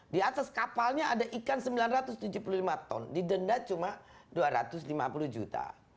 di atas kapalnya ada ikan sembilan ratus tujuh puluh lima ton didenda cuma dua ratus lima puluh juta